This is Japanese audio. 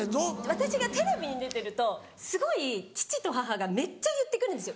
私がテレビに出てるとすごい父と母がめっちゃ言ってくるんですよ。